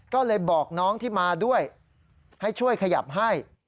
ก็เลยบอกน้องที่มาด้วยให้ช่วยขยับให้